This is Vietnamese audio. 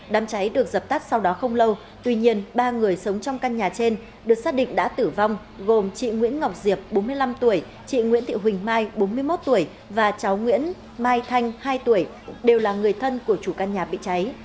đám cháy được dập tắt sau đó không lâu tuy nhiên ba người sống trong căn nhà trên được xác định đã tử vong gồm chị nguyễn ngọc diệp bốn mươi năm tuổi chị nguyễn thị huỳnh mai bốn mươi một tuổi và cháu nguyễn mai thanh hai tuổi đều là người thân của chủ căn nhà bị cháy